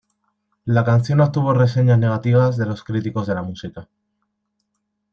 La canción obtuvo reseñas negativas de los críticos de la música.